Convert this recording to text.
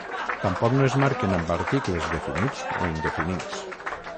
Tampoc no es marquen amb articles definits o indefinits.